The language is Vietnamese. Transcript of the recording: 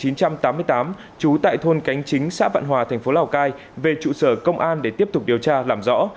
năm một nghìn chín trăm tám mươi tám chú tại thôn cánh chính xã vạn hòa thành phố lào cai về trụ sở công an để tiếp tục điều tra làm rõ